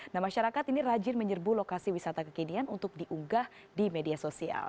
nah masyarakat ini rajin menyerbu lokasi wisata kekinian untuk diunggah di media sosial